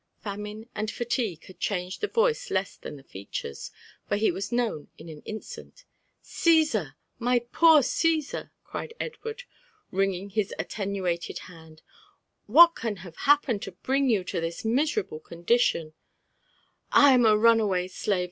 Famine and fatigue had changed the voice less than the features, for he was now known in an instant. '* Csesar ! my poor Caesar !" cried Edward, wringing his attenuated hand, '* what can have happened to bring you to this miserable con* ditionr' " I am 2^ runaway slave.